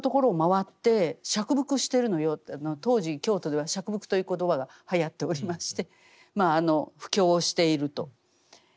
当時京都では折伏という言葉がはやっておりましてまああの布教をしていると。